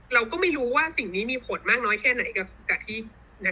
เราก็ไม่รู้ว่าสิ่งนี้มีผลมากน้อยแค่ไหนกับที่